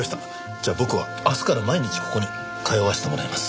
じゃあ僕は明日から毎日ここに通わせてもらいます。